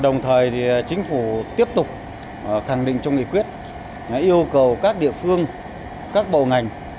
đồng thời thì chính phủ tiếp tục khẳng định trong nghị quyết yêu cầu các địa phương các bộ ngành